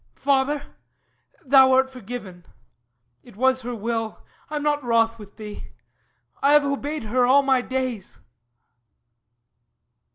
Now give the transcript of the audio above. ...Father, thou art forgiven. It was Her will. I am not wroth with thee... I have obeyed Her all my days!